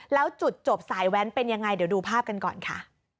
แล้วจุดจบสายแว้นเป็นยังไงเดี๋ยวดูภาพกันก่อนค่ะ